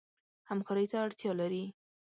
همکارۍ ته اړتیا لري.